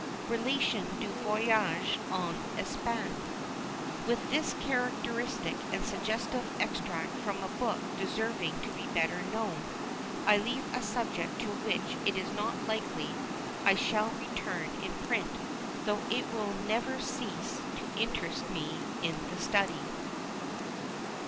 Relation du Voyage en Espagne. With this characteristic and suggestive extract from a book deserving to be better known, I leave a subject to which it is not likely I shall return in print, though it will never cease to interest me in the study.